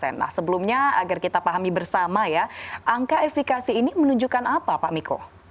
nah sebelumnya agar kita pahami bersama ya angka efekasi ini menunjukkan apa pak miko